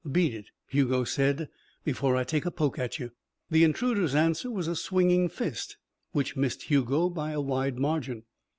"Beat it," Hugo said, "before I take a poke at you." The intruder's answer was a swinging fist, which missed Hugo by a wide margin.